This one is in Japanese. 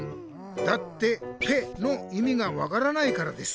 だって『ぺ』のいみが分からないからです。